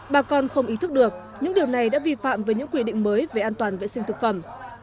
bà con không ý thức được những điều này đã vi phạm với những quy định mới về an toàn vệ sinh thực phẩm